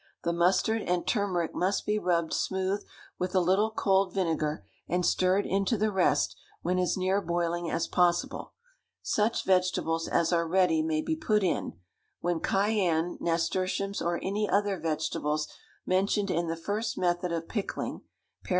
The mustard and turmeric must be rubbed smooth with a little cold vinegar, and stirred into the rest when as near boiling as possible. Such vegetables as are ready may be put in; when cayenne, nasturtiums, or any other vegetables mentioned in the first method of pickling (par.